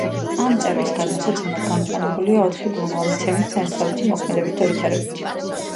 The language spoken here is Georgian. ამ წევრის გადმოსაცემად გამოყენებულია ოთხი ბრუნვა: მიცემითი, ნათესაობითი, მოქმედებითი და ვითარებითი.